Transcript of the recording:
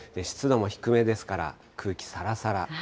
湿度も低めですから、空気、さらさら。